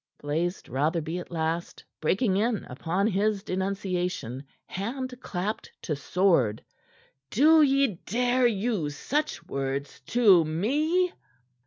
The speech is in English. blazed Rotherby at last, breaking in upon his denunciation, hand clapped to sword. "Do ye dare use such words to me?"